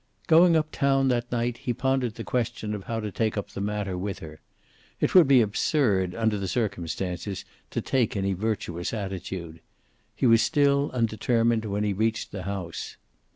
Going up town that night he pondered the question of how to take up the matter with her. It would be absurd, under the circumstances, to take any virtuous attitude. He was still undetermined when he reached the house.